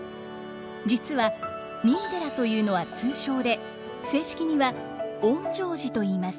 実は「三井寺」というのは通称で正式には「園城寺」といいます。